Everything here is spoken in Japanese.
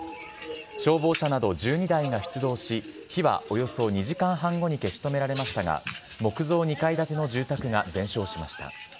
消防車など１２台が出動し火はおよそ２時間半後に消し止められましたが木造２階建ての住宅が全焼しました。